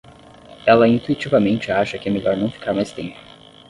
Ela intuitivamente acha que é melhor não ficar mais tempo.